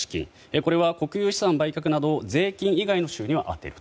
これは国営資産売却など税金以外の収入を充てる。